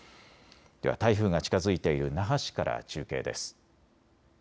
では、台風が近づいている那覇市から中継です。